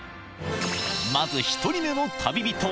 まず１人目の旅人は。